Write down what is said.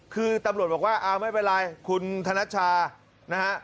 คือตำรวจบอกว่าอ้าวไม่เป็นไรคุณธนชานะฮะ